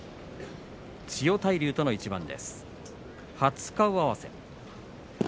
千代大龍との一番です。